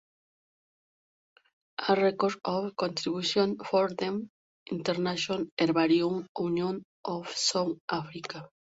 A Record of Contributions from the National Herbarium, Union of South Africa.